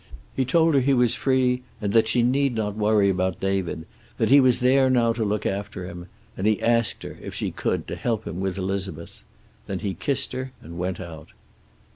He told her he was free, and that she need not worry about David, that he was there now to look after him; and he asked her, if she could, to help him with Elizabeth. Then he kissed her and went out.